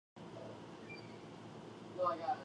The two gates opened on the eastern side of the Caelian Hill.